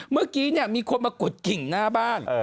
เมื่อกี๊เนี่ยมีคนมากดกริงหน้าบ้าน